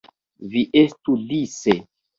Vi estu dise.